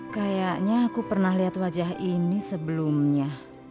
kayaknya aku pernah lihat wajah ini sebelumnya